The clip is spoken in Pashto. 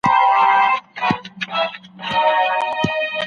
د شیکسپیر په اړه نوې څېړنه وسوه.